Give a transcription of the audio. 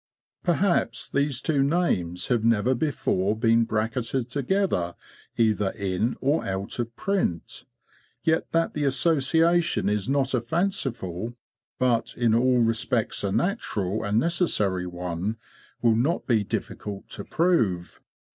Perhaps these two names have never before been bracketed together either in or out of print; yet that the association is not a fanciful, but in all re spects a natural and necessary one will not be difficult to prove.